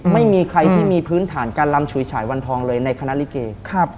ไม่มีใครที่มีพื้นฐานการลำฉุยฉายวันทองเลยในคณะลิเก